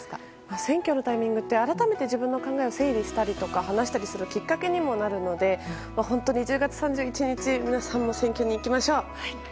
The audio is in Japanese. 選挙のタイミングって改めて自分の考えを整理したり話したりするきっかけにもなるので１０月３１日皆さんも選挙に行きましょう。